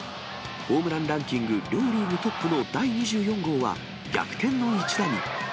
ホームランランキング両リーグトップの第２４号は、逆転の一打に。